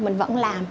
mình vẫn làm